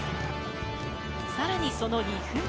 さらにその２分後。